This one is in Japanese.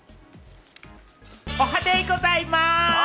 おはデイございます！